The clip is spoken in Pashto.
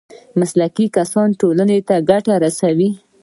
مسلکي کسان ټولنې ته ګټه رسوي